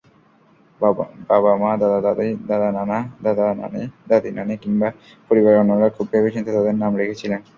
বাবা-মা, দাদা-নানা, দাদি-নানি কিংবা পরিবারের অন্যরা খুব ভেবেচিন্তে তাদের নাম রেখেছিলেন।